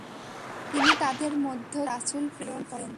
তিনি তাদের মধ্য থেকে রাসূল প্রেরণ করেন।